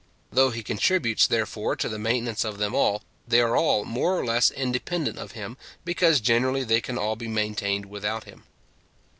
Though he contributes, therefore, to the maintenance of them all, they are all more or less independent of him, because generally they can all be maintained without him.